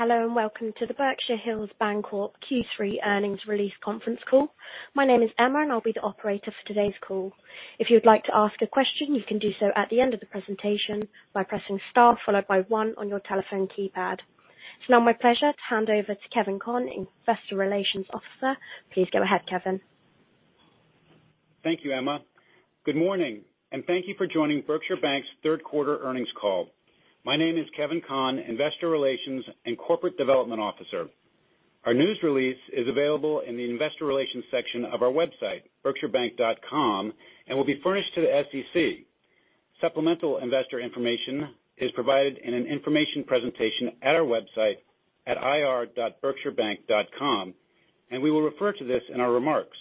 Hello, and welcome to the Berkshire Hills Bancorp Q3 Earnings Release Conference Call. My name is Emma, and I'll be the Operator for today's call. If you'd like to ask question, you can do so at the end of the presentation by pressing star, followed by one on your telephone keypad. It's now my pleasure to hand over to Kevin Conn, Investor Relations Officer. Please go ahead, Kevin. Thank you, Emma. Good morning, thank you for joining Berkshire Bank's Third Quarter Earnings Call. My name is Kevin Conn, Investor Relations and Corporate Development Officer. Our news release is available in the investor relations section of our website, berkshirebank.com, will be furnished to the SEC. Supplemental investor information is provided in an information presentation at our website at ir.berkshirebank.com, we will refer to this in our remarks.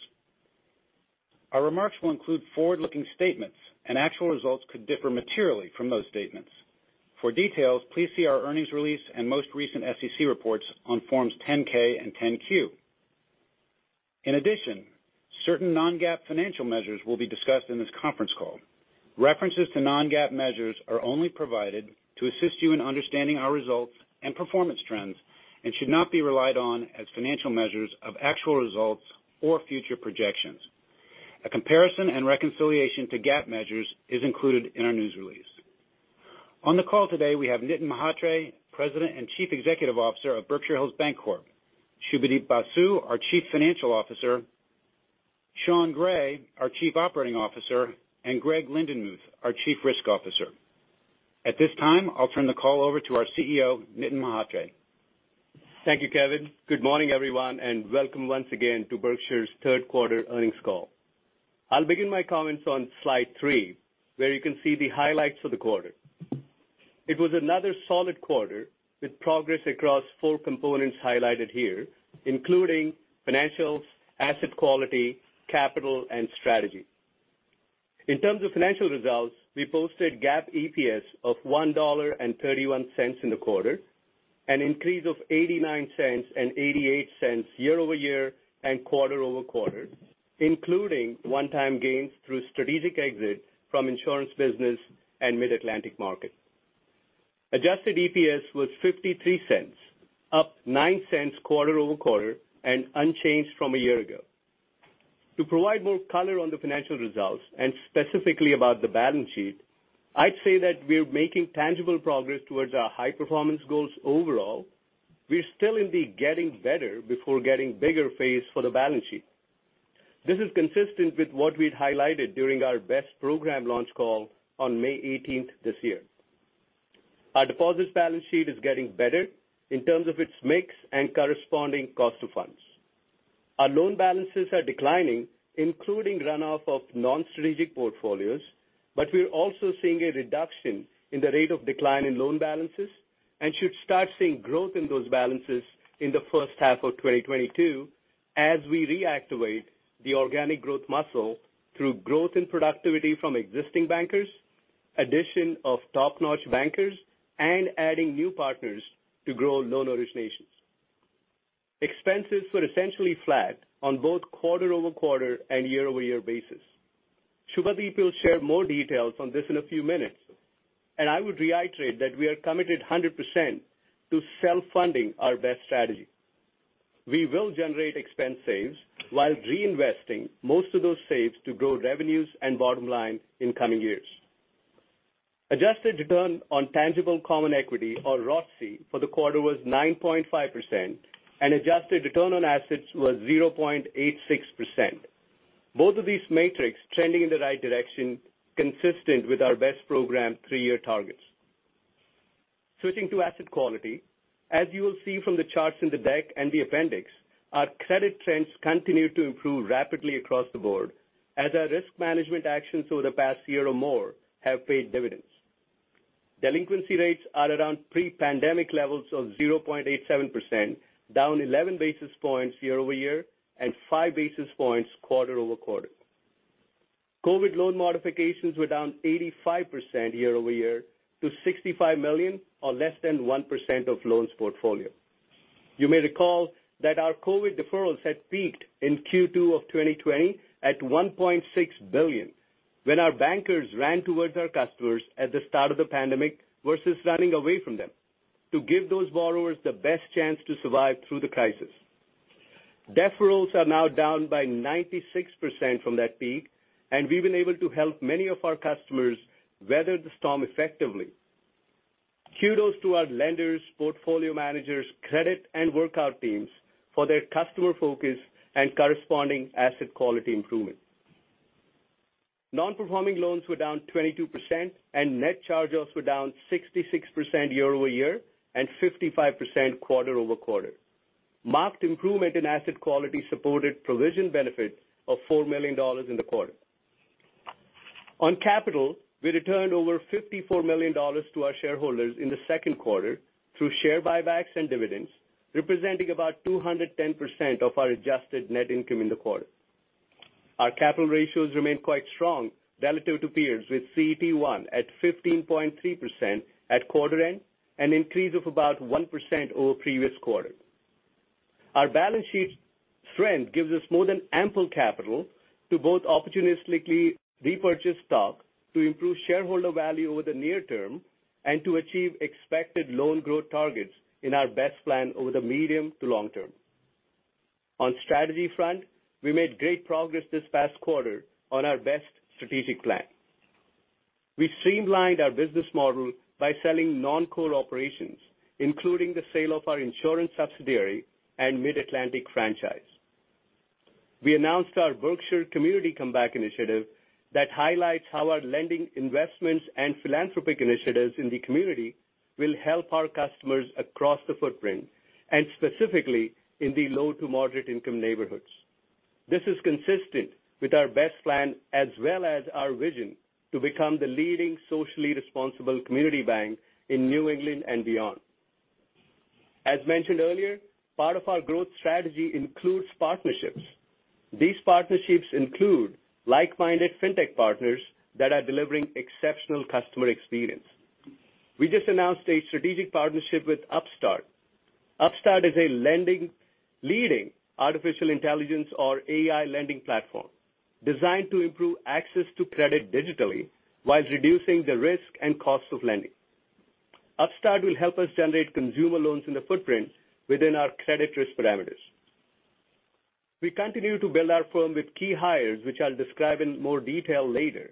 Our remarks will include forward-looking statements, actual results could differ materially from those statements. For details, please see our earnings release and most recent SEC reports on forms 10-K and 10-Q. In addition, certain non-GAAP financial measures will be discussed in this conference call. References to non-GAAP measures are only provided to assist you in understanding our results, and performance trends should not be relied on as financial measures of actual results or future projections. A comparison and reconciliation to GAAP measures is included in our news release. On the call today, we have Nitin Mhatre, President and Chief Executive Officer of Berkshire Hills Bancorp, Subhadeep Basu, our Chief Financial Officer, Sean Gray, our Chief Operating Officer, and Greg Lindenmuth, our Chief Risk Officer. At this time, I'll turn the call over to our CEO, Nitin Mhatre. Thank you, Kevin. Good morning, everyone, and welcome once again to Berkshire's third quarter earnings call. I'll begin my comments on slide three, where you can see the highlights for the quarter. It was another solid quarter with progress across four components highlighted here, including financials, asset quality, capital, and strategy. In terms of financial results, we posted GAAP EPS of $1.31 in the quarter, an increase of $0.89 and 0.88 year-over-year, and quarter-over-quarter, including one-time gains through strategic exit from insurance business and mid-Atlantic market. Adjusted EPS was $0.53, up 0.09 quarter-over-quarter, and unchanged from a year ago. To provide more color on the financial results, and specifically about the balance sheet, I'd say that we're making tangible progress towards our high-performance goals overall. We're still in the getting better before getting bigger phase for the balance sheet. This is consistent with what we'd highlighted during our BEST program launch call on May 18th this year. Our deposits balance sheet is getting better in terms of its mix and corresponding cost to funds. Our loan balances are declining, including runoff of non-strategic portfolios, but we're also seeing a reduction in the rate of decline in loan balances and should start seeing growth in those balances in the first half of 2022 as we reactivate the organic growth muscle through growth and productivity from existing bankers, addition of top-notch bankers, and adding new partners to grow loan originations. Expenses were essentially flat on both quarter-over-quarter, and year-over-year basis. Subhadeep will share more details on this in a few minutes, and I would reiterate that we are committed 100% to self-funding our BEST strategy. We will generate expense saves while reinvesting most of those saves to grow revenues and bottom line in coming years. Adjusted Return on Tangible Common Equity, or ROTCE, for the quarter was 9.5%, and adjusted return on assets was 0.86%. Both of these metrics trending in the right direction, consistent with our BEST program three-year targets. Switching to asset quality, as you will see from the charts in the deck and the appendix, our credit trends continue to improve rapidly across the board as our risk management actions over the past year or more have paid dividends. Delinquency rates are around pre-pandemic levels of 0.87%, down 11 basis points year-over-year, and 5 basis points quarter-over-quarter. COVID loan modifications were down 85% year-over-year to $65 million, or less than 1% of loans portfolio. You may recall that our COVID deferrals had peaked in Q2 of 2020 at $1.6 billion when our bankers ran towards our customers at the start of the pandemic versus running away from them to give those borrowers the best chance to survive through the crisis. Deferrals are now down by 96% from that peak, and we've been able to help many of our customers weather the storm effectively. Kudos to our lenders, portfolio managers, credit, and workout teams for their customer focus and corresponding asset quality improvement. Non-performing loans were down 22%, and net charge-offs were down 66% year-over-year, and 55% quarter-over-quarter. Marked improvement in asset quality supported provision benefit of $4 million in the quarter. On capital, we returned over $54 million to our shareholders in the second quarter through share buybacks and dividends, representing about 210% of our adjusted net income in the quarter. Our capital ratios remain quite strong relative to peers with CET1 at 15.3% at quarter end, an increase of about 1% over previous quarter. Our balance sheet strength gives us more than ample capital to both opportunistically repurchase stock to improve shareholder value over the near term, and to achieve expected loan growth targets in our BEST plan over the medium to long term. On strategy front, we made great progress this past quarter on our BEST strategic plan. We streamlined our business model by selling non-core operations, including the sale of our insurance subsidiary and Mid-Atlantic franchise. We announced our Berkshire Community Comeback initiative that highlights how our lending investments and philanthropic initiatives in the community will help our customers across the footprint, and specifically in the low to moderate income neighborhoods. This is consistent with our BEST plan as well as our vision to become the leading socially responsible community bank in New England and beyond. As mentioned earlier, part of our growth strategy includes partnerships. These partnerships include like-minded fintech partners that are delivering exceptional customer experience. We just announced a strategic partnership with Upstart. Upstart is a lending, leading Artificial Intelligence or AI lending platform designed to improve access to credit digitally while reducing the risk and cost of lending. Upstart will help us generate consumer loans in the footprint within our credit risk parameters. We continue to build our firm with key hires, which I'll describe in more detail later.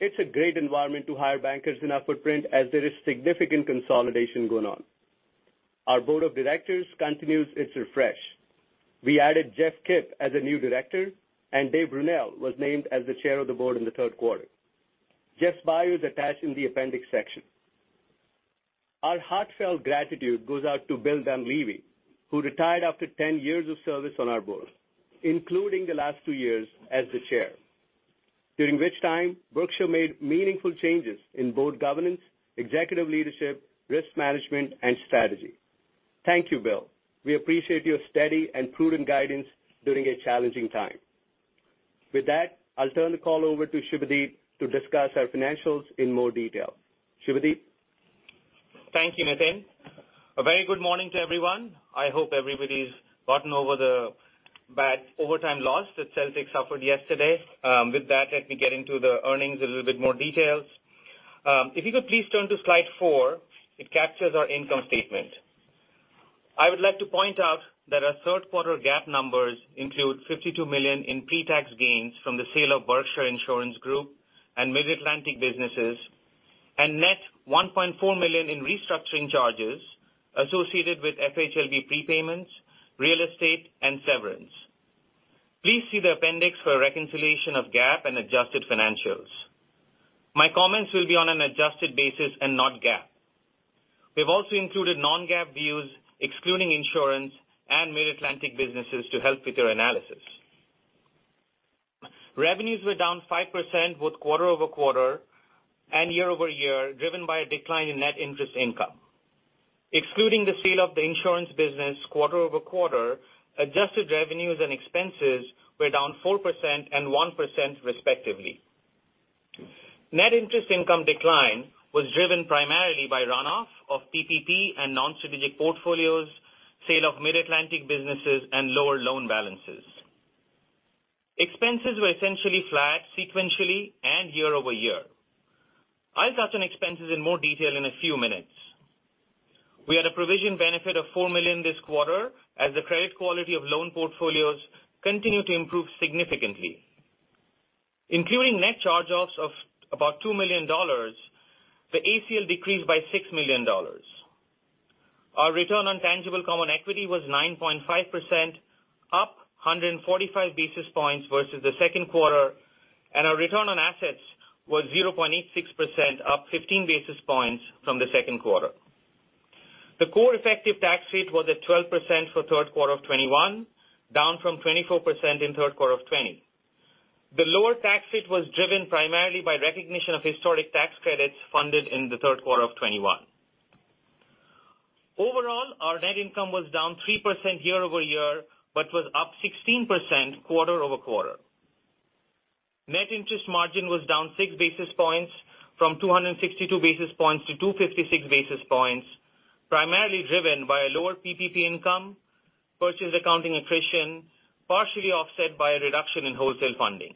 It's a great environment to hire bankers in our footprint as there is significant consolidation going on. Our Board of Directors continues its refresh. We added Jeff Kip as a new director, and Dave Brunelle was named as the Chair of the Board in the third quarter. Jeff's bio is attached in the appendix section. Our heartfelt gratitude goes out to Bill Dunlaevy, who retired after 10 years of service on our Board, including the last two years as the Chair, during which time Berkshire made meaningful changes in board governance, executive leadership, risk management, and strategy. Thank you, Bill. We appreciate your steady and prudent guidance during a challenging time. With that, I'll turn the call over to Subhadeep to discuss our financials in more detail. Subhadeep? Thank you, Nitin. A very good morning to everyone. I hope everybody's gotten over the bad overtime loss that Celtics suffered yesterday. With that, let me get into the earnings in a little bit more details. If you could please turn to slide four, it captures our income statement. I would like to point out that our third quarter GAAP numbers include $52 million in pre-tax gains from the sale of Berkshire Insurance Group and Mid-Atlantic businesses, and net $1.4 million in restructuring charges associated with FHLB prepayments, real estate, and severance. Please see the appendix for a reconciliation of GAAP and adjusted financials. My comments will be on an adjusted basis and not GAAP. We've also included non-GAAP views, excluding insurance and Mid-Atlantic businesses to help with your analysis. Revenues were down 5% both quarter-over-quarter, and year-over-year, driven by a decline in net interest income. Excluding the sale of the insurance business quarter-over-quarter, adjusted revenues and expenses were down 4% and 1% respectively. Net interest income decline was driven primarily by runoff of PPP and non-strategic portfolios, sale of Mid-Atlantic businesses, and lower loan balances. Expenses were essentially flat sequentially and year-over-year. I'll touch on expenses in more detail in a few minutes. We had a provision benefit of $4 million this quarter as the credit quality of loan portfolios continue to improve significantly. Including net charge-offs of about $2 million, the ACL decreased by $6 million. Our return on tangible common equity was 9.5%, up 145 basis points versus the second quarter, and our return on assets was 0.86%, up 15 basis points from the second quarter. The core effective tax rate was at 12% for third quarter of 2021, down from 24% in third quarter of 2020. The lower tax rate was driven primarily by recognition of historic tax credits funded in the third quarter of 2021. Overall, our net income was down 3% year-over-year, but was up 16% quarter-over-quarter. Net interest margin was down 6 basis points from 262 basis points to 256 basis points, primarily driven by a lower PPP income, purchase accounting attrition, partially offset by a reduction in wholesale funding.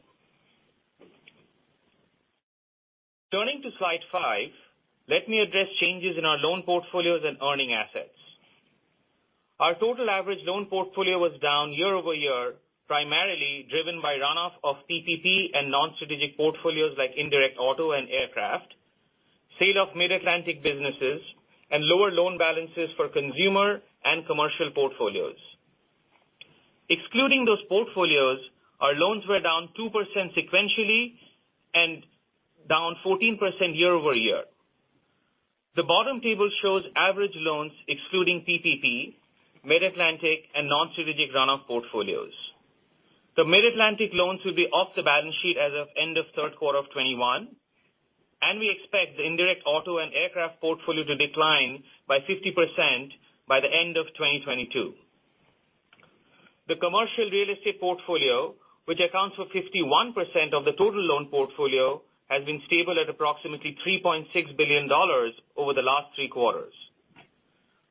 Turning to slide five, let me address changes in our loan portfolios and earning assets. Our total average loan portfolio was down year-over-year, primarily driven by runoff of PPP and non-strategic portfolios like indirect auto and aircraft, sale of Mid-Atlantic businesses, and lower loan balances for consumer and commercial portfolios. Excluding those portfolios, our loans were down 2% sequentially and down 14% year-over-year. The bottom table shows average loans excluding PPP, Mid-Atlantic, and non-strategic runoff portfolios. The Mid-Atlantic loans will be off the balance sheet as of end of third quarter of 2021, and we expect the indirect auto and aircraft portfolio to decline by 50% by the end of 2022. The commercial real estate portfolio, which accounts for 51% of the total loan portfolio, has been stable at approximately $3.6 billion over the last three quarters.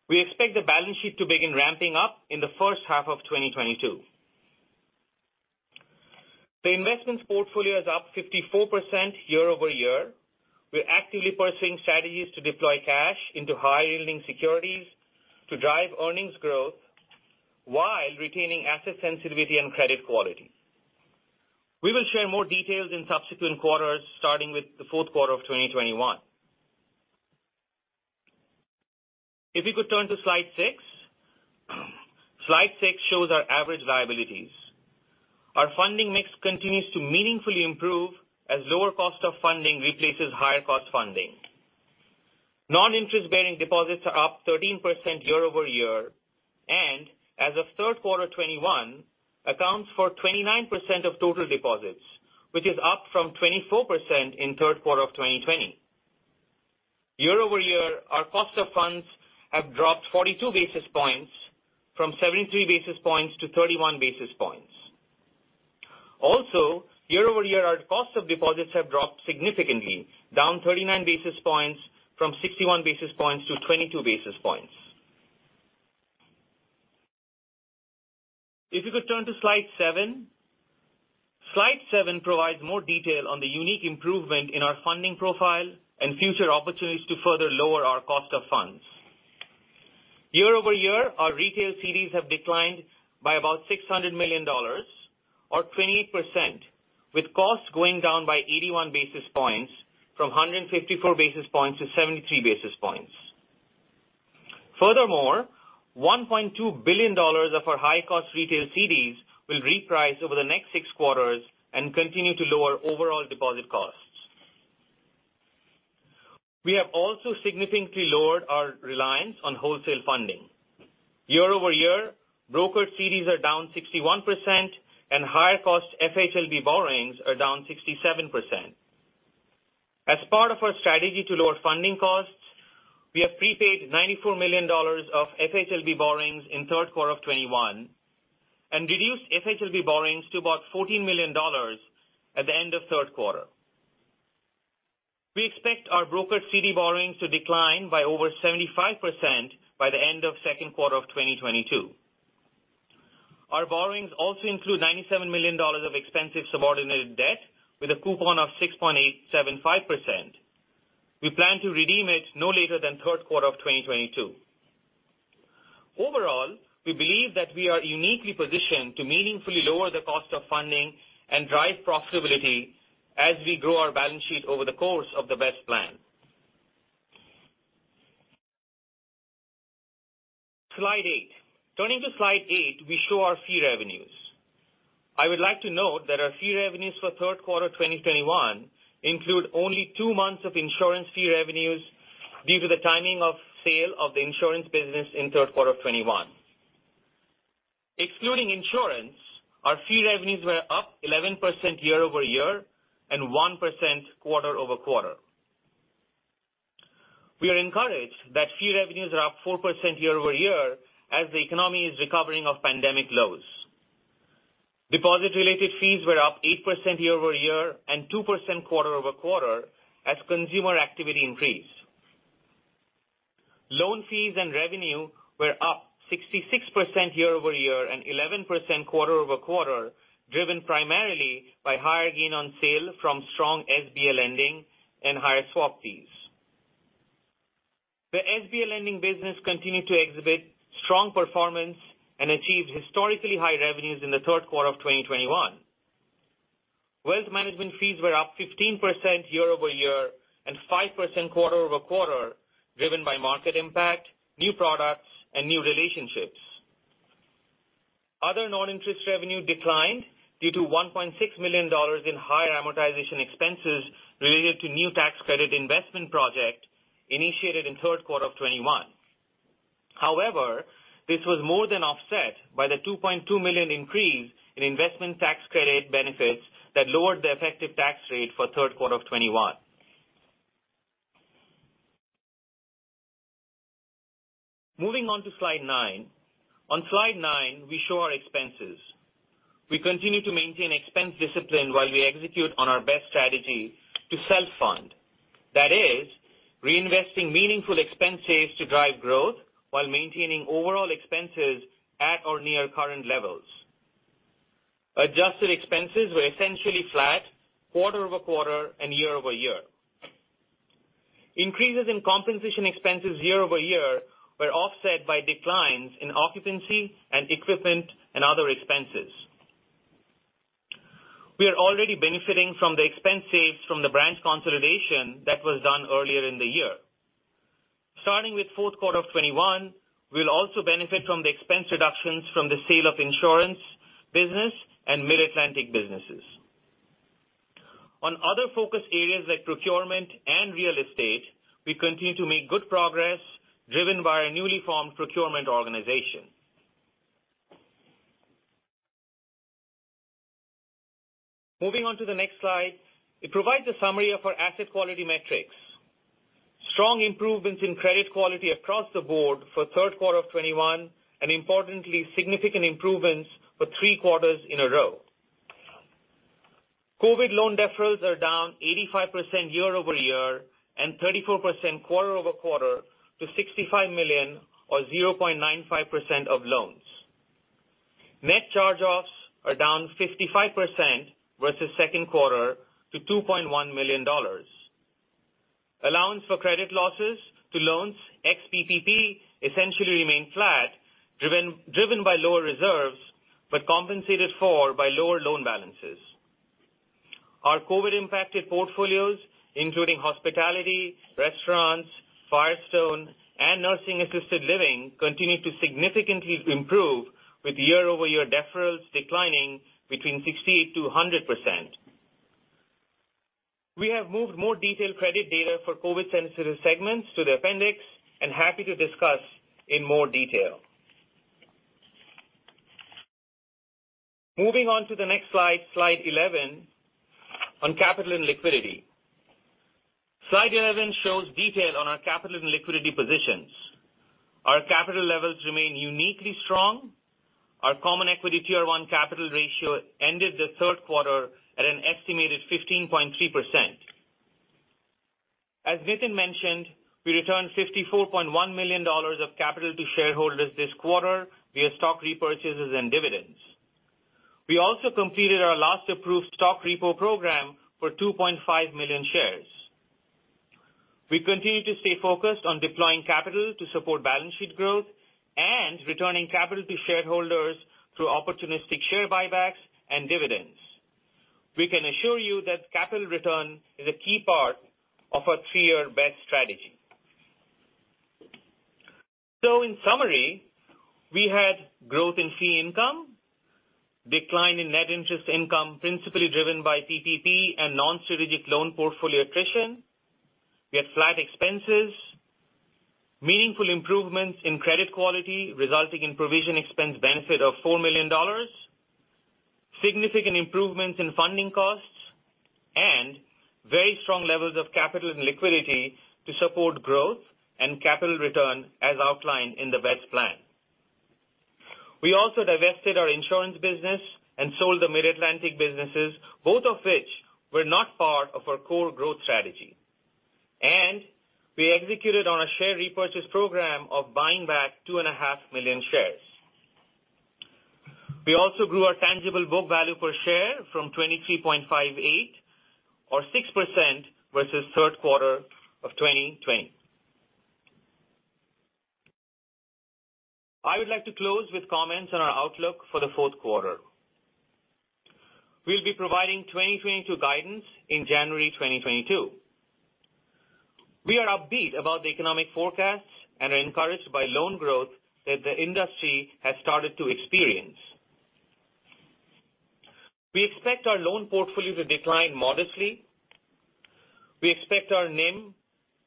We expect the balance sheet to begin ramping up in the first half of 2022. The investments portfolio is up 54% year-over-year. We're actively pursuing strategies to deploy cash into high-yielding securities to drive earnings growth while retaining asset sensitivity and credit quality. We will share more details in subsequent quarters, starting with the fourth quarter of 2021. If you could turn to slide six. Slide six shows our average liabilities. Our funding mix continues to meaningfully improve as lower cost of funding replaces higher cost funding. Non-interest-bearing deposits are up 13% year-over-year, and as of third quarter 2021, accounts for 29% of total deposits, which is up from 24% in third quarter of 2020. Year-over-year, our cost of funds have dropped 42 basis points, from 73 basis points to 31 basis points. Also, year-over-year, our cost of deposits have dropped significantly, down 39 basis points, from 61 basis points to 22 basis points. If you could turn to slide seven. Slide seven provides more detail on the unique improvement in our funding profile and future opportunities to further lower our cost of funds. Year-over-year, our retail CDs have declined by about $600 million, or 28%, with costs going down by 81 basis points, from 154 basis points to 73 basis points. Furthermore, $1.2 billion of our high-cost retail CDs will reprice over the next six quarters and continue to lower overall deposit costs. We have also significantly lowered our reliance on wholesale funding. Year-over-year, broker CDs are down 61%, and higher cost FHLB borrowings are down 67%. As part of our strategy to lower funding costs, we have prepaid $94 million of FHLB borrowings in third quarter of 2021, and reduced FHLB borrowings to about $14 million at the end of third quarter. We expect our broker CD borrowings to decline by over 75% by the end of second quarter of 2022. Our borrowings also include $97 million of expensive subordinated debt with a coupon of 6.875%. We plan to redeem it no later than third quarter of 2022. Overall, we believe that we are uniquely positioned to meaningfully lower the cost of funding and drive profitability as we grow our balance sheet over the course of the BEST plan. Slide eight. Turning to slide eight, we show our fee revenues. I would like to note that our fee revenues for third quarter 2021 include only two months of insurance fee revenues due to the timing of sale of the insurance business in third quarter 2021. Excluding insurance, our fee revenues were up 11% year-over-year, and 1% quarter-over-quarter. We are encouraged that fee revenues are up 4% year-over-year, as the economy is recovering off pandemic lows. Deposit-related fees were up 8% year-over-year, and 2% quarter-over-quarter as consumer activity increased. Loan fees and revenue were up 66% year-over-year, and 11% quarter-over-quarter, driven primarily by higher gain on sale from strong SBA lending and higher swap fees. The SBA lending business continued to exhibit strong performance and achieved historically high revenues in the third quarter of 2021. Wealth management fees were up 15% year-over-year, and 5% quarter-over-quarter, driven by market impact, new products, and new relationships. Other non-interest revenue declined due to $1.6 million in higher amortization expenses related to new tax credit investment project initiated in third quarter of 2021. However, this was more than offset by the $2.2 million increase in investment tax credit benefits that lowered the effective tax rate for third quarter of 2021. Moving on to slide nine. On slide nine, we show our expenses. We continue to maintain expense discipline while we execute on our BEST strategy to self-fund. That is, reinvesting meaningful expense saves to drive growth while maintaining overall expenses at or near current levels. Adjusted expenses were essentially flat quarter-over-quarter, and year-over-year. Increases in compensation expenses year-over-year were offset by declines in occupancy, and equipment, and other expenses. We are already benefiting from the expense saves from the branch consolidation that was done earlier in the year. Starting with fourth quarter of 2021, we'll also benefit from the expense reductions from the sale of insurance business and Mid-Atlantic businesses. On other focus areas like procurement and real estate, we continue to make good progress, driven by our newly formed procurement organization. Moving on to the next slide, it provides a summary of our asset quality metrics. Strong improvements in credit quality across the board for third quarter of 2021. Importantly, significant improvements for three quarters in a row. COVID loan deferrals are down 85% year-over-year, and 34% quarter-over-quarter to $65 million or 0.95% of loans. Net charge-offs are down 55% versus second quarter to $2.1 million. Allowance for credit losses to loans ex-PPP essentially remained flat, driven by lower reserves, compensated for by lower loan balances. Our COVID-impacted portfolios, including hospitality, restaurants, Firestone, and nursing-assisted living, continue to significantly improve with year-over-year deferrals declining between 68%-100%. We have moved more detailed credit data for COVID-sensitive segments to the appendix. We are happy to discuss in more detail. Moving on to the next slide, Slide 11, on capital and liquidity. Slide 11 shows detail on our capital and liquidity positions. Our capital levels remain uniquely strong. Our common equity tier one capital ratio ended the third quarter at an estimated 15.3%. As Nitin mentioned, we returned $54.1 million of capital to shareholders this quarter via stock repurchases and dividends. We also completed our last approved stock repo program for 2.5 million shares. We continue to stay focused on deploying capital to support balance sheet growth and returning capital to shareholders through opportunistic share buybacks and dividends. We can assure you that capital return is a key part of our three-year BEST strategy. In summary, we had growth in fee income, decline in net interest income principally driven by PPP and non-strategic loan portfolio attrition. We had flat expenses, meaningful improvements in credit quality resulting in provision expense benefit of $4 million, significant improvements in funding costs, and very strong levels of capital and liquidity to support growth and capital return as outlined in the BEST plan. We also divested our insurance business and sold the Mid-Atlantic businesses, both of which were not part of our core growth strategy. We executed on a share repurchase program of buying back 2.5 million shares. We also grew our tangible book value per share from $23.58 or 6% versus third quarter of 2020. I would like to close with comments on our outlook for the fourth quarter. We'll be providing 2022 guidance in January 2022. We are upbeat about the economic forecasts and are encouraged by loan growth that the industry has started to experience. We expect our loan portfolio to decline modestly. We expect our NIM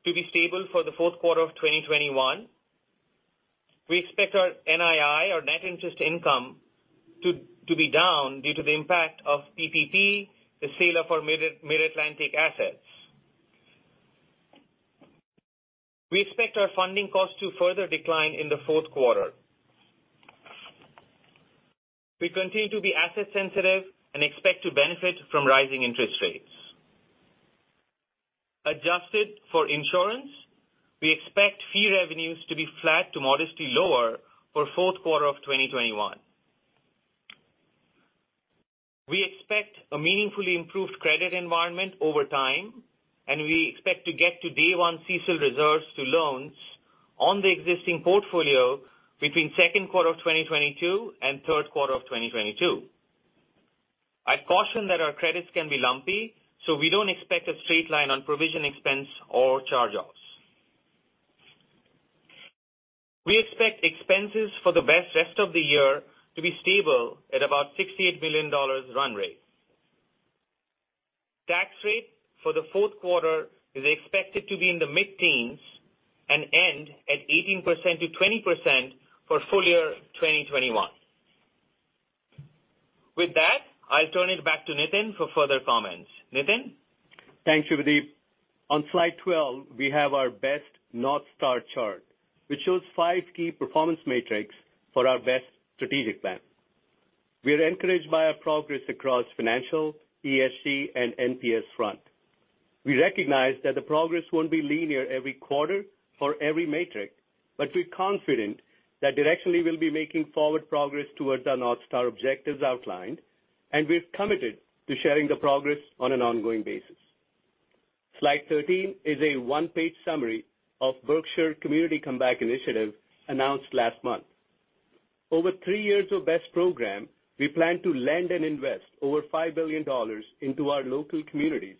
to be stable for the fourth quarter of 2021. We expect our NII or net interest income to be down due to the impact of PPP, the sale of our Mid-Atlantic assets. We expect our funding costs to further decline in the fourth quarter. We continue to be asset sensitive and expect to benefit from rising interest rates. Adjusted for insurance, we expect fee revenues to be flat to modestly lower for fourth quarter of 2021. We expect a meaningfully improved credit environment over time, and we expect to get to day 1 CECL reserves to loans on the existing portfolio between second quarter of 2022, and third quarter of 2022. I'd caution that our credits can be lumpy, so we don't expect a straight line on provision expense or charge-offs. We expect expenses for the rest of the year to be stable at about $68 billion run rate. Tax rate for the fourth quarter is expected to be in the mid-teens and end at 18%-20% for full year 2021. With that, I'll turn it back to Nitin for further comments. Nitin? Thanks, Subhadeep. On slide 12, we have our BEST North Star chart, which shows five key performance metrics for our BEST strategic plan. We're encouraged by our progress across financial, ESG, and NPS front. We recognize that the progress won't be linear every quarter for every metric, but we're confident that directionally we'll be making forward progress towards our North Star objectives outlined, and we're committed to sharing the progress on an ongoing basis. Slide 13 is a one-page summary of Berkshire Community Comeback initiative announced last month. Over three years of BEST program, we plan to lend and invest over $5 billion into our local communities,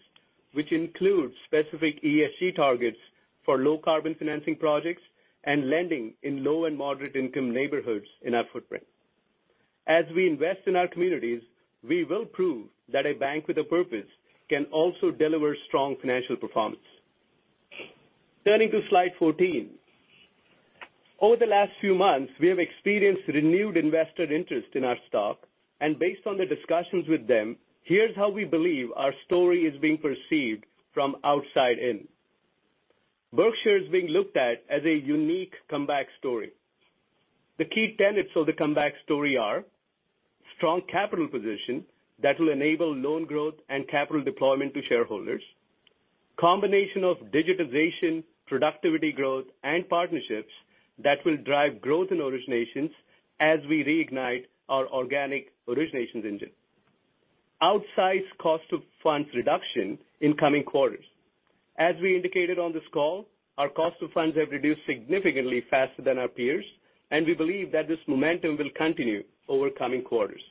which includes specific ESG targets for low-carbon financing projects and lending in low and moderate income neighborhoods in our footprint. As we invest in our communities, we will prove that a bank with a purpose can also deliver strong financial performance. Turning to slide 14. Over the last few months, we have experienced renewed investor interest in our stock, and based on the discussions with them, here's how we believe our story is being perceived from outside in. Berkshire is being looked at as a unique comeback story. The key tenets of the comeback story are strong capital position that will enable loan growth and capital deployment to shareholders. Combination of digitization, productivity growth, and partnerships that will drive growth in originations as we reignite our organic originations engine. Outsized cost of funds reduction in coming quarters. As we indicated on this call, our cost of funds have reduced significantly faster than our peers, and we believe that this momentum will continue over coming quarters.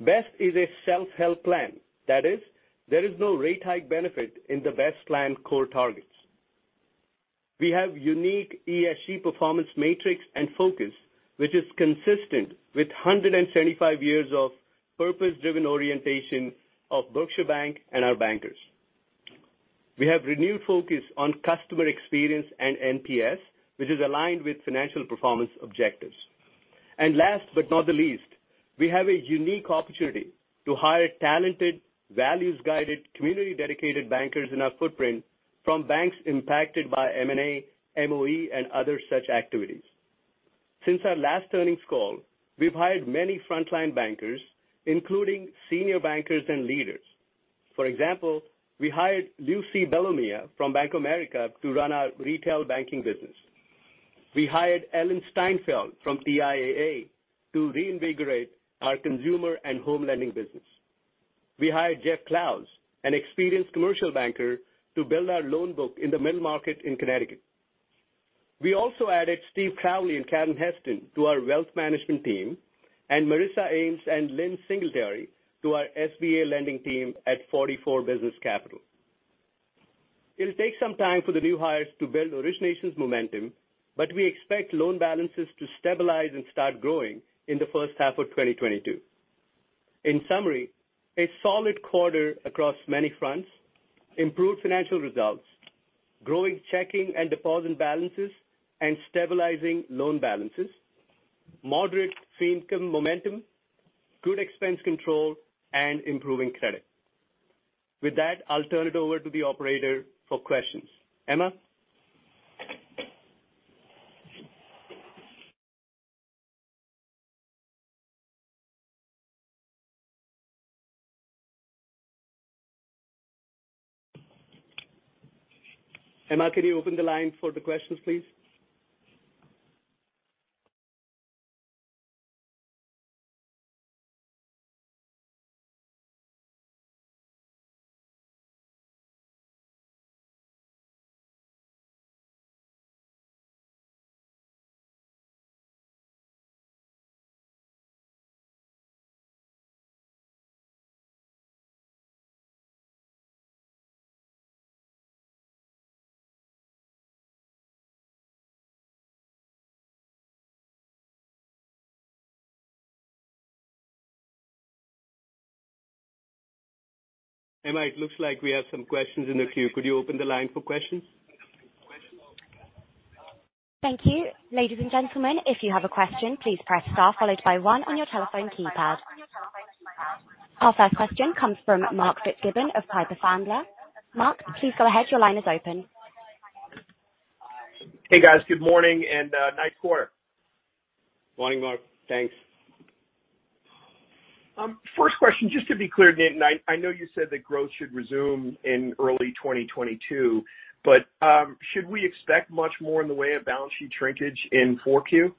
BEST is a self-help plan. That is, there is no rate hike benefit in the BEST plan core targets. We have unique ESG performance matrix and focus, which is consistent with 175 years of purpose-driven orientation of Berkshire Bank and our bankers. We have renewed focus on customer experience and NPS, which is aligned with financial performance objectives. Last but not the least, we have a unique opportunity to hire talented, values-guided, community-dedicated bankers in our footprint from banks impacted by M&A, MOE, and other such activities. Since our last earnings call, we've hired many frontline bankers, including senior bankers and leaders. For example, we hired Lucy Bellomia from Bank of America to run our retail banking business. We hired Ellen Steinfeld from TIAA to reinvigorate our consumer and home lending business. We hired Jeff Klaus, an experienced Commercial Banker, to build our loan book in the mid-market in Connecticut. We also added Steve Crowley and Karen Heston to our wealth management team, and Marissa Ames and Lynne Singletary to our SBA lending team at 44 Business Capital. It'll take some time for the new hires to build originations momentum, but we expect loan balances to stabilize and start growing in the first half of 2022. In summary, a solid quarter across many fronts, improved financial results, growing checking and deposit balances, and stabilizing loan balances, moderate fee income momentum, good expense control, and improving credit. With that, I'll turn it over to the Operator for questions. Emma? Emma, can you open the line for the questions, please? Emma, it looks like we have some questions in the queue. Could you open the line for questions? Thank you. Ladies and gentlemen, if you have a question, please press star followed by one on your telephone keypad. Our first question comes from Mark Fitzgibbon of Piper Sandler. Mark, please go ahead. Your line is open. Hey, guys. Good morning and nice quarter. Morning, Mark. Thanks. First question, just to be clear, Nitin, I know you said that growth should resume in early 2022. Should we expect much more in the way of balance sheet shrinkage in 4Q?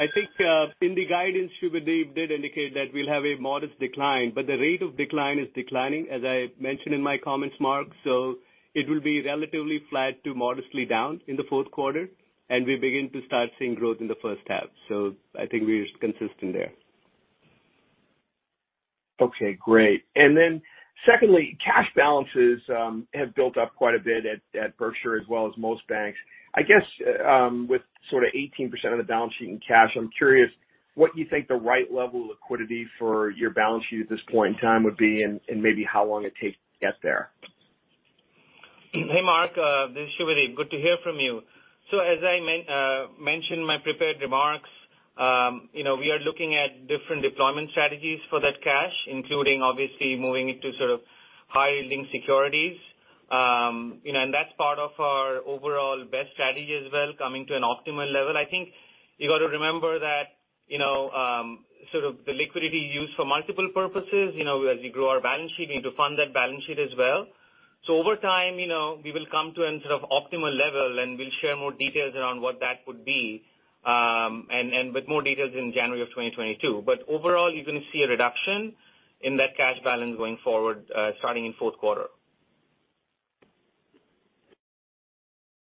I think in the guidance, Subhadeep did indicate that we'll have a modest decline, but the rate of decline is declining, as I mentioned in my comments, Mark. It will be relatively flat to modestly down in the fourth quarter, and we begin to start seeing growth in the first half. I think we're consistent there. Okay, great. Secondly, cash balances have built up quite a bit at Berkshire as well as most banks. I guess with sort of 18% of the balance sheet in cash, I'm curious what you think the right level of liquidity for your balance sheet at this point in time would be, and maybe how long it takes to get there. Hey, Mark. This is Subhadeep. Good to hear from you. As I mentioned in my prepared remarks, we are looking at different deployment strategies for that cash, including obviously moving it to high-yielding securities. That's part of our overall BEST strategy as well, coming to an optimal level. I think you got to remember that the liquidity used for multiple purposes. As we grow our balance sheet, we need to fund that balance sheet as well. Over time, we will come to an optimal level, and we'll share more details around what that would be, and with more details in January of 2022. Overall, you're going to see a reduction in that cash balance going forward starting in fourth quarter.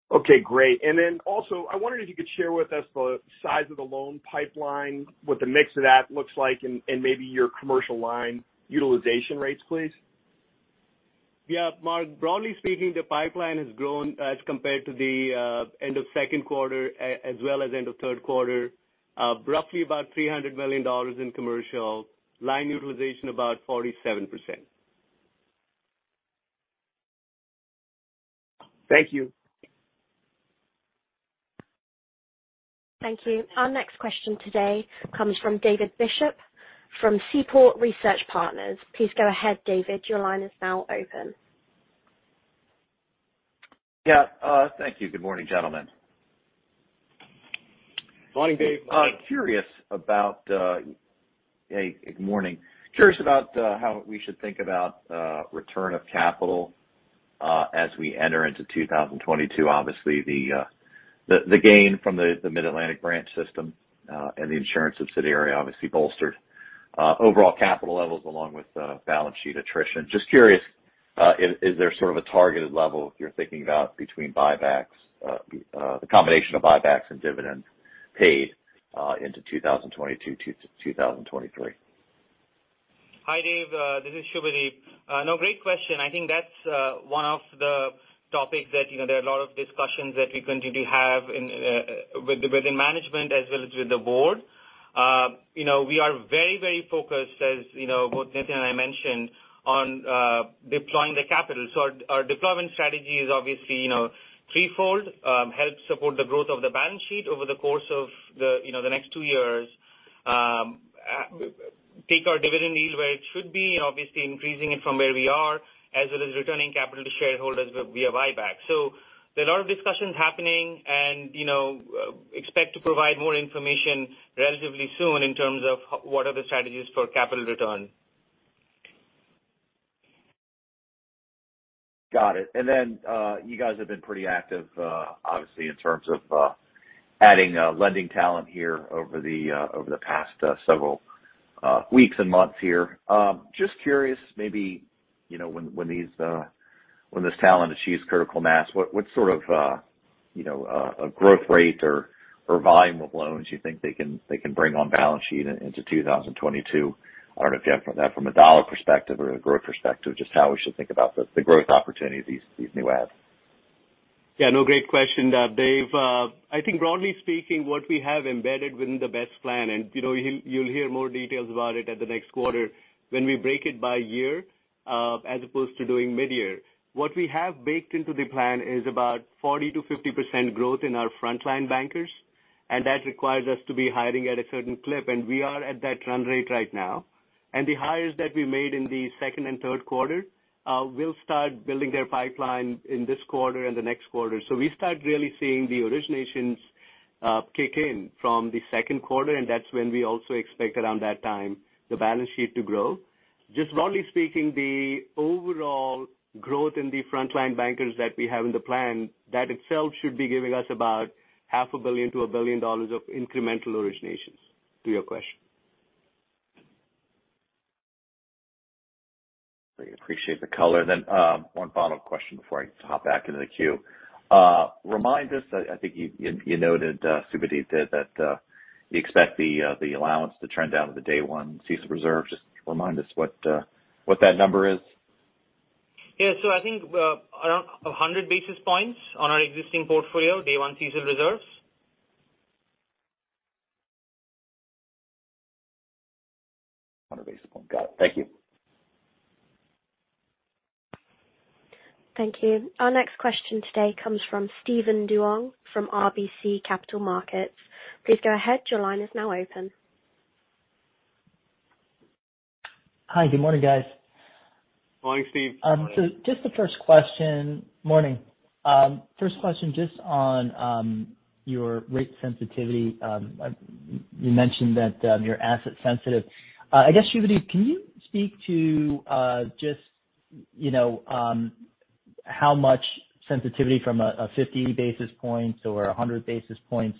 Okay, great. Also, I wondered if you could share with us the size of the loan pipeline, what the mix of that looks like, and maybe your commercial line utilization rates, please. Yeah, Mark. Broadly speaking, the pipeline has grown as compared to the end of second quarter as well as end of third quarter. Roughly about $300 million in commercial. Line utilization, about 47%. Thank you. Thank you. Our next question today comes from David Bishop from Seaport Research Partners. Please go ahead, David. Your line is now open. Yeah. Thank you. Good morning, gentlemen. Morning, Dave. Curious about the, hey, good morning. Curious about the, how we should think about return of capital as we enter into 2022. Obviously, the gain from the Mid-Atlantic branch system and the insurance subsidiary obviously bolstered overall capital levels along with balance sheet attrition. Just curious, is there sort of a targeted level you're thinking about between the combination of buybacks and dividends paid into 2022 to 2023? Hi, David. This is Subhadeep. Great question. I think that's one of the topics that there are a lot of discussions that we continue to have within management as well as with the board. We are very, very focused, as both Nitin and I mentioned, on deploying the capital. Our deployment strategy is obviously threefold. Help support the growth of the balance sheet over the course of the next two years. Take our dividend yield where it should be, obviously increasing it from where we are, as well as returning capital to shareholders via buyback. There are a lot of discussions happening, and expect to provide more information relatively soon in terms of what are the strategies for capital return. Got it. You guys have been pretty active, obviously, in terms of adding lending talent here over the past several weeks and months here. Just curious, maybe when this talent achieves critical mass, what sort of growth rate or volume of loans you think they can bring on balance sheet into 2022? I don't know if you have that from a dollar perspective or a growth perspective, just how we should think about the growth opportunity of these new adds? Yeah, no. Great question, Dave. I think broadly speaking, what we have embedded within the BEST plan, and you'll hear more details about it at the next quarter when we break it by year as opposed to doing mid-year. What we have baked into the plan is about 40%-50% growth in our frontline bankers, and that requires us to be hiring at a certain clip, and we are at that run rate right now. The hires that we made in the second and third quarter will start building their pipeline in this quarter and the next quarter. We start really seeing the originations kick in from the second quarter, and that's when we also expect around that time the balance sheet to grow. Just broadly speaking, the overall growth in the frontline bankers that we have in the plan, that itself should be giving us about$0.5 billion to 1 billion of incremental originations to your question. I appreciate the color. One final question before I hop back into the queue. Remind us, I think you noted, Subhadeep did, that you expect the allowance to trend down to the day 1 CECL reserves. Just remind us what that number is. Yeah. I think around 100 basis points on our existing portfolio, day one CECL reserves. 100 basis points. Got it. Thank you. Thank you. Our next question today comes from Steven Duong from RBC Capital Markets. Please go ahead. Hi. Good morning, guys. Morning, Stephen. Morning. First question, just on your rate sensitivity. You mentioned that you're asset sensitive. I guess, Subhadeep, can you speak to just, you know, how much sensitivity from a 50 basis points or 100 basis points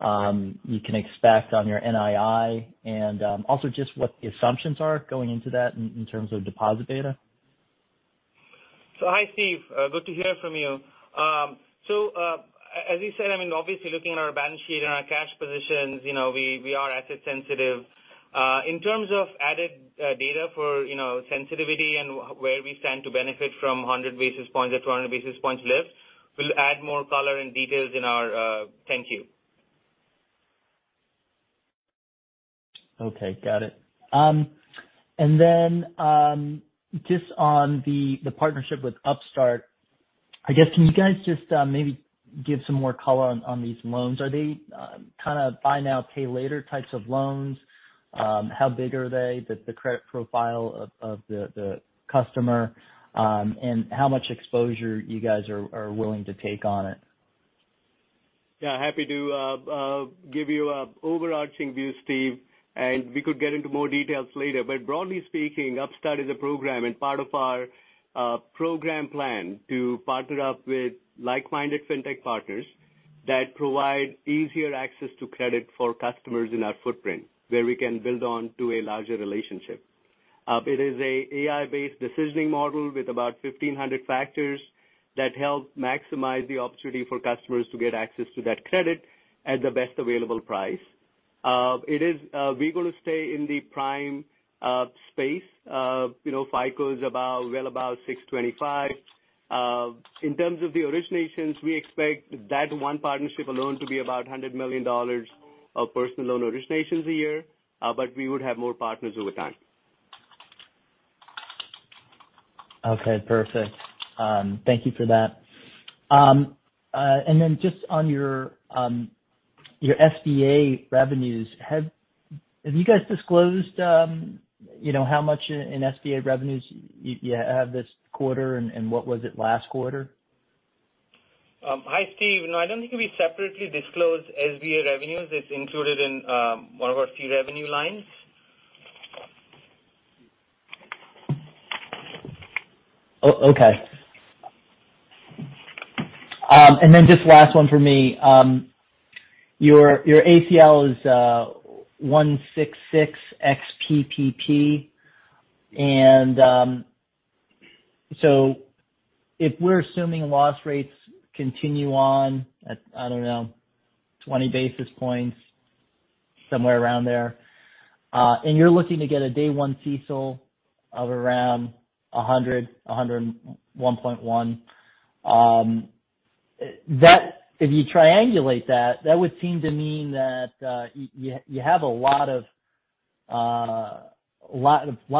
you can expect on your NII, and also just what the assumptions are going into that in terms of deposit beta? Hi, Steve. Good to hear from you. As you said, I mean, obviously looking at our balance sheet and our cash positions, we are asset sensitive. In terms of added data for sensitivity and where we stand to benefit from 100 basis points or 200 basis points lift, we'll add more color and details in our 10-Q. Okay. Got it. Just on the partnership with Upstart, I guess, can you guys just maybe give some more color on these loans? Are they kind of buy now, pay later types of loans? How big are they, the credit profile of the customer, and how much exposure you guys are willing to take on it? Yeah. Happy to give you a overarching view, Steve. We could get into more details later. Broadly speaking, Upstart is a program and part of our program plan to partner up with like-minded fintech partners that provide easier access to credit for customers in our footprint where we can build on to a larger relationship. It is a AI-based decisioning model with about 1,500 factors that help maximize the opportunity for customers to get access to that credit at the best available price. We're going to stay in the prime space. FICO is about, well about 625. In terms of the originations, we expect that one partnership alone to be about $100 million of personal loan originations a year. We would have more partners over time. Okay, perfect. Thank you for that. Just on your SBA revenues, have you guys disclosed how much in SBA revenues you have this quarter, and what was it last quarter? Hi, Steve. No, I don't think we separately disclose SBA revenues. It's included in one of our fee revenue lines. Oh, okay. Just last one from me. Your ACL is 166%, ex PPP, and so if we're assuming loss rates continue on at, I don't know, 20 basis points, somewhere around there, and you're looking to get a day one CECL of around 100%, 101.1%. If you triangulate that would seem to mean that you have a lot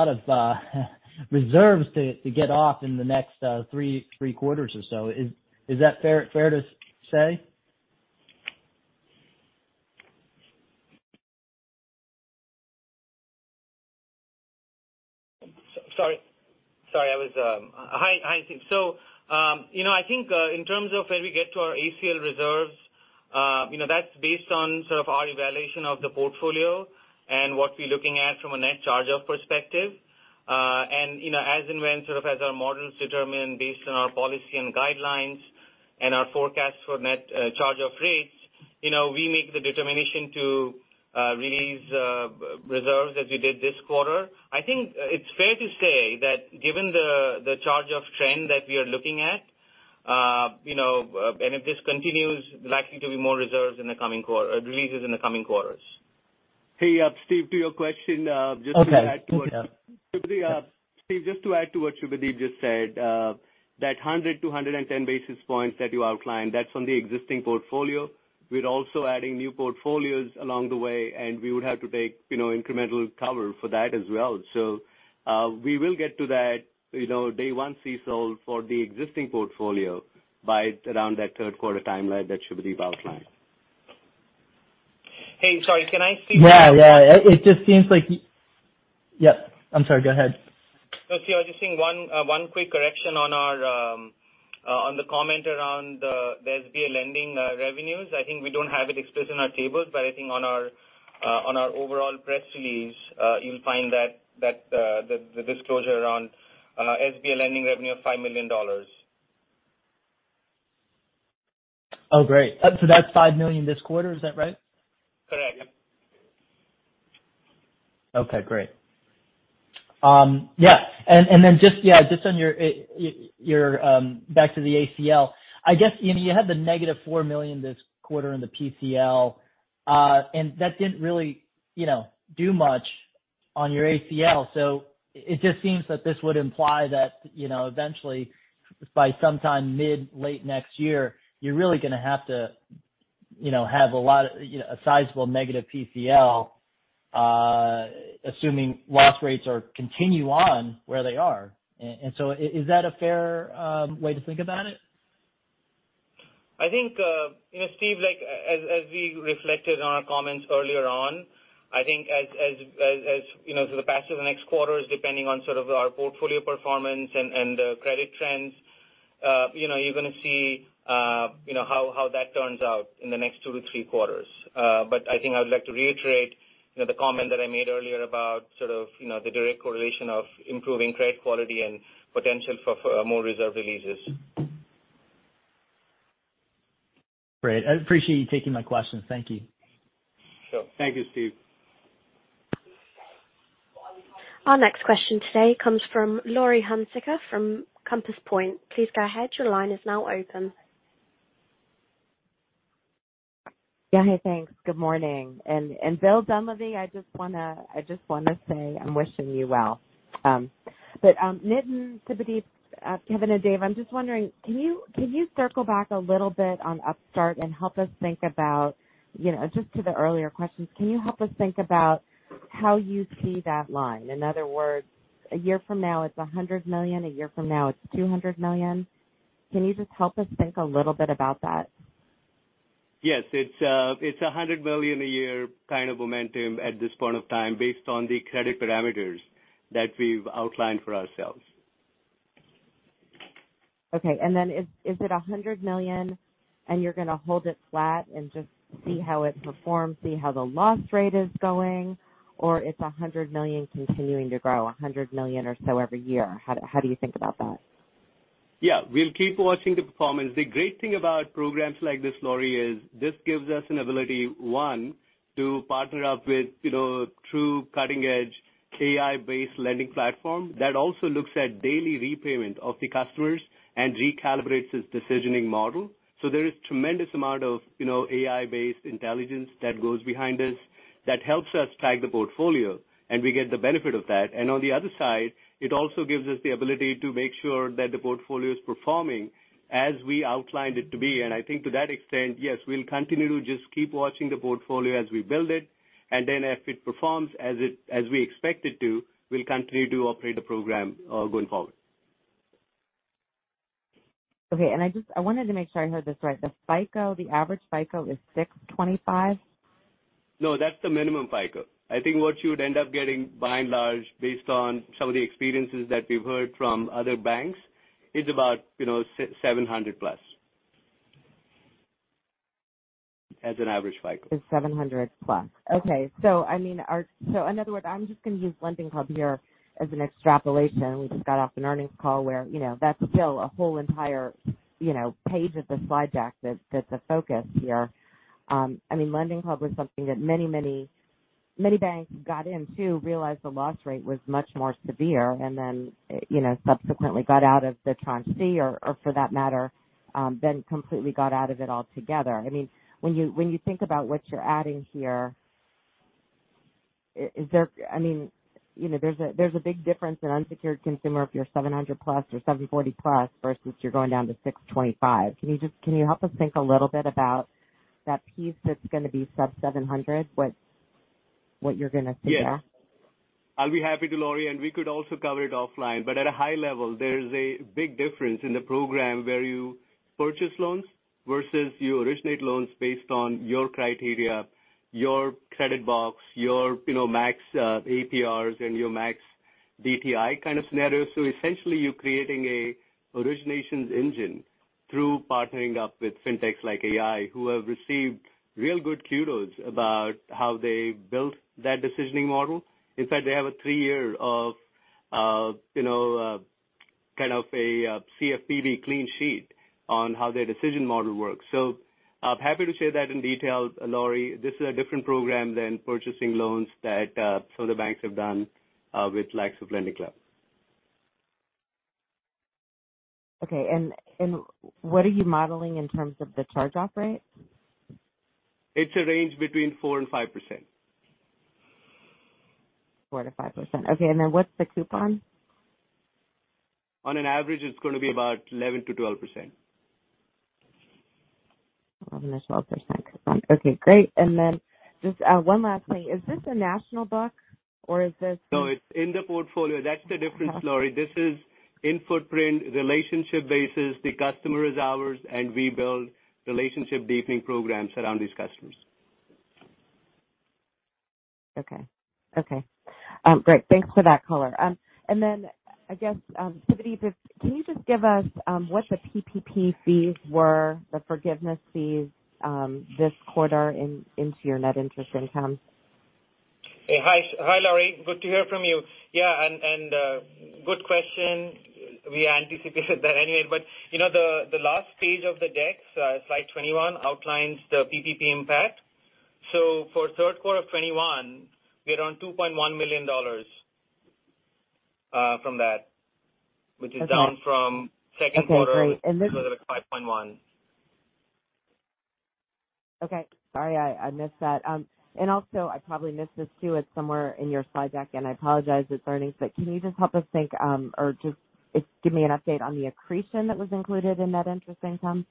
of reserves to get off in the next three quarters or so. Is that fair to say? Sorry, i was-- hi, steve. I think, in terms of when we get to our ACL reserves, that's based on our evaluation of the portfolio and what we're looking at from a net charge-off perspective. As and when our models determine based on our policy and guidelines and our forecast for net charge-off rates, we make the determination to release reserves as we did this quarter. I think it's fair to say that given the charge-off trend that we are looking at, and if this continues, likely to be more releases in the coming quarters? Hey, Steve, to your question. Okay, yeah. Steve, just to add to what Subhadeep just said, that 100-110 basis points that you outlined, that's on the existing portfolio. We're also adding new portfolios along the way, we would have to take incremental cover for that as well. We will get to that day one CECL for the existing portfolio by around that third quarter timeline that Subhadeep outlined. Hey, sorry, can I speak? Yeah. It just seems like Yeah. I'm sorry, go ahead. No, Steve, I'm just saying one quick correction on the comment around the SBA lending revenues. I think we don't have it explicit in our tables, but I think on our overall press release, you'll find the disclosure around SBA lending revenue of $5 million. Oh, great. That's $5 million this quarter, is that right? Correct. Okay, great. Yeah. Just on your back to the ACL, I guess you had the $-4 million this quarter in the PCL, that didn't really do much on your ACL. It just seems that this would imply that eventually, by sometime mid, late next year, you're really going to have to have a sizable negative PCL, assuming loss rates continue on where they are. Is that a fair way to think about it? I think, Steve, as we reflected on our comments earlier on, I think as the passage of next quarters, depending on our portfolio performance and the credit trends, you're going to see how that turns out in the next two to three quarters. I think I would like to reiterate the comment that I made earlier about the direct correlation of improving credit quality and potential for more reserve releases. Great. I appreciate you taking my questions. Thank you. Sure. Thank you, Steve. Our next question today comes from Laurie Hunsicker from Compass Point. Please go ahead, your line is now open. Yeah. Hey, thanks. Good morning. And Bill Dunlaevy, I just want to say I'm wishing you well. Nitin, Subhadeep, Kevin, and Dave, I'm just wondering, can you circle back a little bit on Upstart and help us think about, just to the earlier questions, can you help us think about how you see that line? In other words, a year from now, it's $100 million. A year from now, it's $200 million. Can you just help us think a little bit about that? Yes. It's $100 million a year, kind of momentum at this point of time based on the credit parameters that we've outlined for ourselves. Okay. Is it $100 million, and you're going to hold it flat and just see how it performs, see how the loss rate is going? It's $100 million continuing to grow $100 million or so every year? How do you think about that? Yeah. We'll keep watching the performance. The great thing about programs like this, Laurie, is this gives us an ability, one, to partner up with true cutting-edge AI-based lending platform that also looks at daily repayment of the customers and recalibrates its decisioning model. There is tremendous amount of AI-based intelligence that goes behind this that helps us tag the portfolio, and we get the benefit of that. On the other side, it also gives us the ability to make sure that the portfolio is performing as we outlined it to be. I think to that extent, yes, we'll continue to just keep watching the portfolio as we build it, and then if it performs as we expect it to, we'll continue to operate the program going forward. Okay. I wanted to make sure I heard this right. The average FICO is 625? No, that's the minimum FICO. I think what you would end up getting by and large, based on some of the experiences that we've heard from other banks, is about 700+ as an average FICO. Is 700+. Okay. In other words, I'm just going to use LendingClub here as an extrapolation. We just got off an earnings call where that's still a whole entire page of the slide deck that's the focus here. LendingClub was something that many banks got into, realized the loss rate was much more severe, and then subsequently got out of the tranche C, or for that matter, then completely got out of it altogether. When you think about what you're adding here, there's a big difference in unsecured consumer if you're 700+ or 740+ versus you're going down to 625. Can you help us think a little bit about that piece that's going to be sub 700, what you're going to see there? Yeah. I'll be happy to, Laurie, and we could also cover it offline. At a high level, there's a big difference in the program where you purchase loans versus you originate loans based on your criteria, your credit box, your max APRs, and your max DTI kind of scenario. Essentially, you're creating an originations engine through partnering up with fintechs like AI, who have received real good kudos about how they built that decisioning model. In fact, they have a three-year of a CFPB clean sheet on how their decision model works. I'm happy to share that in detail, Laurie. This is a different program than purchasing loans that some of the banks have done with the likes of LendingClub. Okay. What are you modeling in terms of the charge-off rate? It's a range between 4% and 5%. 4%-5%. Okay. What's the coupon? On an average, it's going to be about 11%-12%. 11%-12% coupon. Okay, great. Then just one last thing. Is this a national book, or is this- No, it's in the portfolio. That's the difference, Laurie. This is in footprint, relationship basis. The customer is ours, and we build relationship-deepening programs around these customers. Okay. Great. Thanks for that color. Then I guess, Subhadeep, can you just give us what the PPP fees were, the forgiveness fees this quarter into your net interest income? Hi, Laurie. Good to hear from you. Yeah, good question. We anticipated that anyway, the last page of the deck, slide 21, outlines the PPP impact. For the third quarter of 2021, we are around $2.1 million from that, which is down from the second quarter. Okay, great. Then. Which was at 5.1%. Okay. Sorry, I missed that. Also, I probably missed this too. It's somewhere in your slide deck, and I apologize, it's earnings, but can you just help us think or just give me an update on the accretion that was included in net interest income?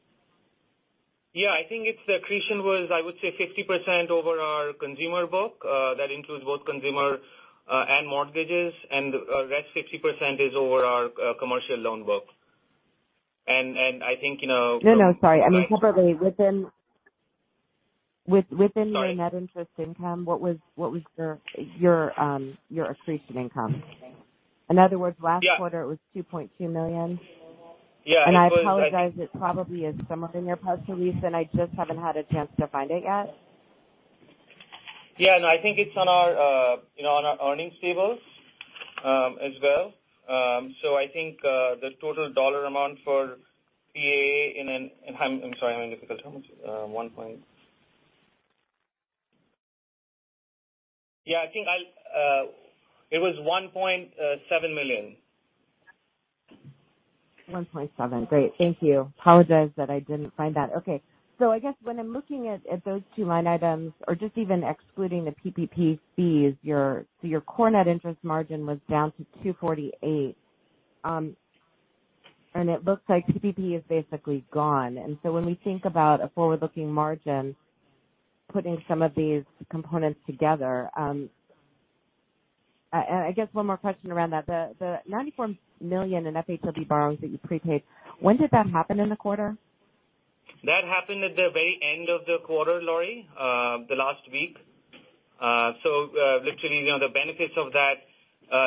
Yeah, I think its accretion was, I would say, 50% over our consumer book. That includes both consumer and mortgages, and the rest, 60%, is over our commercial loan book. And I think. No, sorry. I mean separately within- Sorry. Within your net interest income, what was your accretion income? Yeah. In other words, last quarter it was $2.2 million. Yeah, it was. I apologize, it probably is somewhere in your press release, and I just haven't had a chance to find it yet. Yeah, no. I think it's on our earnings tables as well. I think the total dollar amount for. [inaudible] How much? Yeah, I think it was $1.7 million. 1.7 million. Great. Thank you. Apologize that I didn't find that. Okay. I guess when I'm looking at those two line items, or just even excluding the PPP fees, your core net interest margin was down to 2.48%. It looks like PPP is basically gone. When we think about a forward-looking margin, putting some of these components together. I guess one more question around that. The $94 million in FHLB borrowings that you prepaid, when did that happen in the quarter? That happened at the very end of the quarter, Laurie, the last week. Literally, the benefits of that,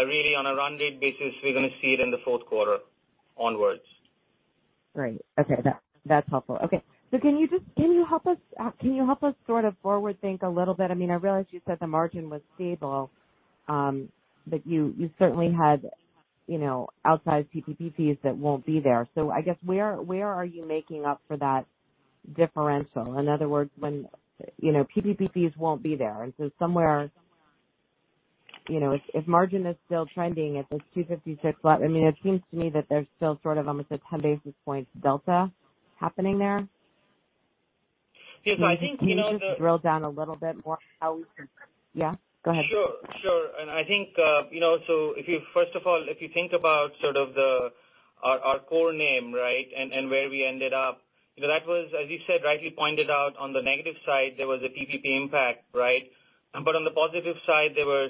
really on a run rate basis, we're going to see it in the fourth quarter onwards. Great. Okay. That's helpful. Okay. Can you help us sort of forward think a little bit? I realize you said the margin was stable, but you certainly had outside PPP fees that won't be there. I guess where are you making up for that differential? In other words, when PPP fees won't be there, somewhere, if margin is still trending at this 2.56 level, it seems to me that there's still sort of almost a 10 basis point delta happening there? Yeah. Can you just drill down a little bit more how we can? Yeah, go ahead. Sure. I think, first of all, if you think about sort of our core NIM, right? Where we ended up, that was, as you said, rightly pointed out, on the negative side, there was a PPP impact, right? On the positive side, there were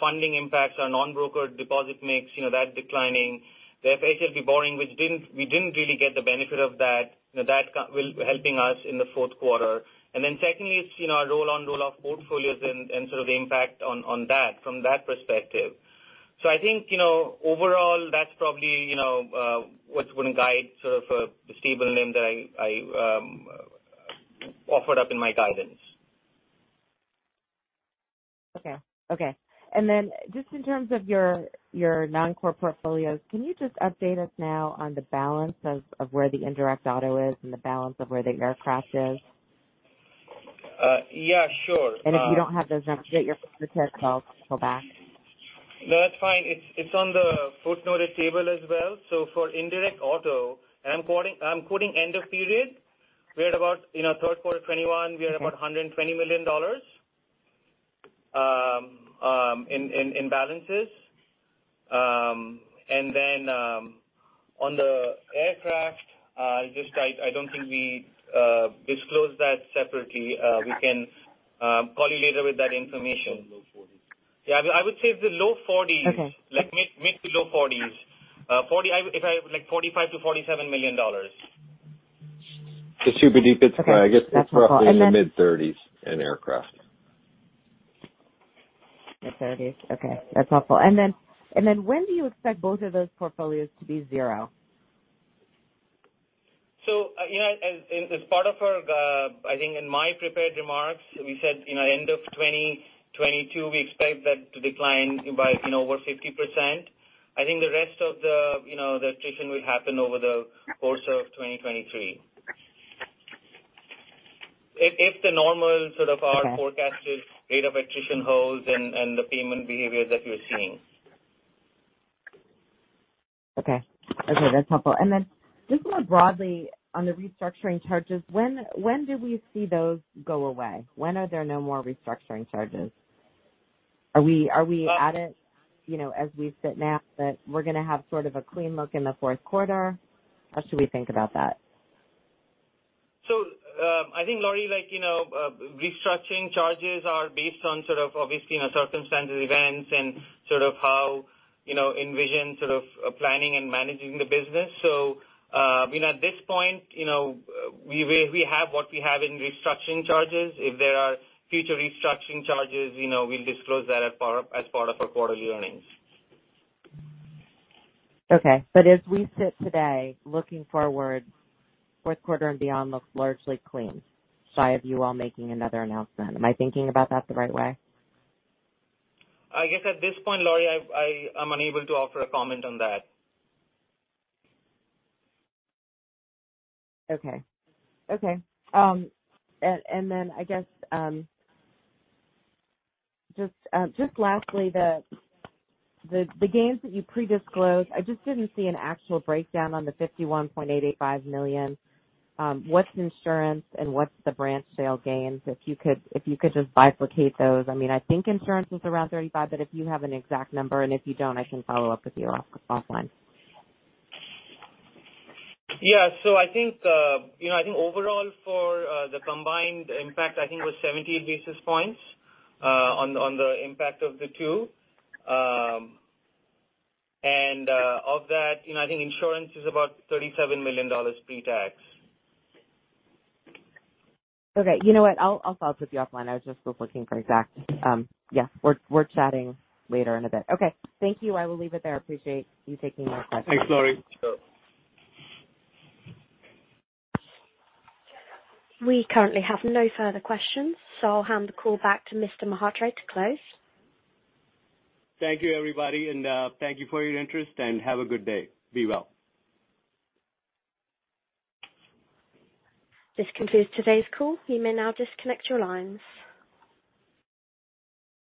funding impacts on non-broker deposit mix, that declining. We have FHLB borrowing, we didn't really get the benefit of that helping us in the fourth quarter. Then secondly, it's our roll-on/roll-off portfolios and the impact on that from that perspective. I think overall, that's probably what would guide the stable NIM that I offered up in my guidance. Okay. Then just in terms of your non-core portfolios, can you just update us now on the balance of where the indirect auto is and the balance of where the aircraft is? Yeah, sure. If you don't have those numbers yet, you're prepared, I'll pull back. No, that's fine. It's on the footnoted table as well. For indirect auto, and I'm quoting end of period, third quarter 2021, we are about $120 million in balances. And the, on the aircraft, I just, I don't think we disclosed that separately. We can call you later with that information. Low 40s. I would say it's the low $40 million. Okay. Mid to low $40million. 45 million-47 million. It's Subhadeep. Okay, that's helpful. I guess it's roughly in the mid-$30 million in aircraft. Mid-$30 million. Okay, that's helpful. When do you expect both of those portfolios to be zero? As part of our, I think in my prepared remarks, we said end of 2022, we expect that to decline by over 50%. I think the rest of the attrition will happen over the course of 2023 if the normal sort of our forecasted rate of attrition holds and the payment behavior that we're seeing. Okay. That's helpful. Just more broadly on the restructuring charges, when do we see those go away? When are there no more restructuring charges? Are we, are we at it, you know, as we sit now that we're going to have sort of a clean look in the fourth quarter? How should we think about that? So, I think, Laurie, like, you know, restructuring charges are based on sort of obviously circumstances, events, and sort of how, you know, envision planning and managing the business. At this point, we have what we have in restructuring charges. If there are future restructuring charges, we'll disclose that as part of our quarterly earnings. Okay. As we sit today, looking forward, fourth quarter and beyond looks largely clean, shy of you all making another announcement. Am I thinking about that the right way? I guess at this point, Laurie, I am unable to offer a comment on that. Okay. I guess just lastly, the gains that you pre-disclosed, I just didn't see an actual breakdown on the $51.885 million. What's insurance and what's the branch sale gains? If you could just bifurcate those. I think insurance was around $35 million, but if you have an exact number, and if you don't, I can follow up with you offline. Yeah. I think overall for the combined impact, I think it was 70 basis points on the impact of the two. Of that, I think insurance is about $37 million pre-tax. Okay. You know what? I'll follow up with you offline. I just was looking for exact. Yeah, we're chatting later in a bit. Okay. Thank you. I will leave it there. I appreciate you taking my questions. Thanks, Laurie. Sure. We currently have no further questions, so I'll hand the call back to Mr. Mhatre to close. Thank you, everybody, and thank you for your interest, and have a good day. Be well. This concludes today's call. You may now disconnect your lines.